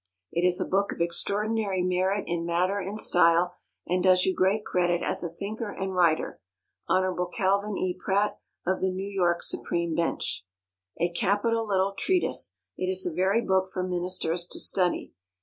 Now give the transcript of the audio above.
It is a book of extraordinary merit in matter and style, and does you great credit as a thinker and writer. Hon. CALVIN E. PRATT, of the New York Supreme Bench. A capital little treatise. It is the very book for ministers to study.